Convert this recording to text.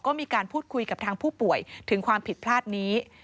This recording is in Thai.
ก็มีการพูดคุยกับทางผู้ป่วยถึงความผิดพลาดนี้